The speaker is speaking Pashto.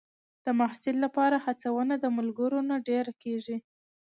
د محصل لپاره هڅونه د ملګرو نه ډېره کېږي.